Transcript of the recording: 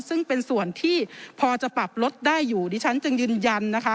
ซึ่งเป็นส่วนที่พอจะปรับลดได้อยู่ดิฉันจึงยืนยันนะคะ